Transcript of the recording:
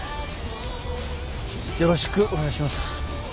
よろしくお願いします。